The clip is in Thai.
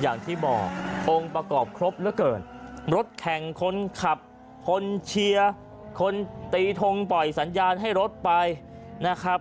อย่างที่บอกองค์ประกอบครบเหลือเกินรถแข่งคนขับคนเชียร์คนตีทงปล่อยสัญญาณให้รถไปนะครับ